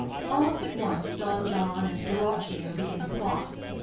Almost at once Don John and Borachio begin the plot.